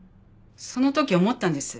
その時思ったんです。